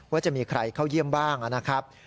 ว่าจะมีใครเข้าเยี่ยมบ้างนะครับ